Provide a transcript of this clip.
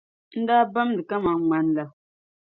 n daa bamdi kaman ŋmani la.